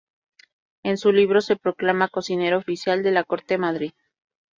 En su libro se proclama "cocinero oficial" de la Corte de Madrid.